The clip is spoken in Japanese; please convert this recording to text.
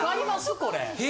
これ。